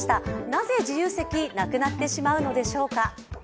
なぜ、自由席がなくなってしまうのでしょうか。